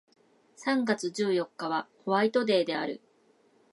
三月十四日はホワイトデーである